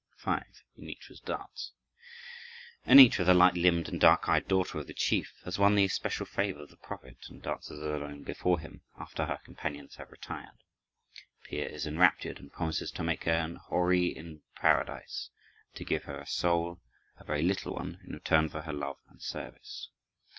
5. Anitra's Dance Anitra, the light limbed and dark eyed daughter of the chief, has won the especial favor of the prophet, and dances alone before him after her companions have retired. Peer is enraptured and promises to make her an houri in paradise, and to give her a soul, a very little one, in return for her love and service.